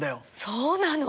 そうなの？